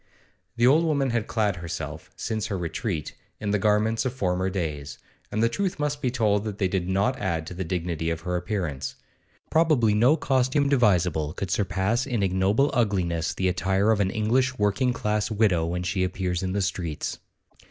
The old woman had clad herself, since her retreat, in the garments of former days; and the truth must be told that they did not add to the dignity of her appearance. Probably no costume devisable could surpass in ignoble ugliness the attire of an English working class widow when she appears in the streets.